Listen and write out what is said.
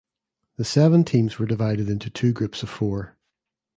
The seven teams were divided into two groups of four.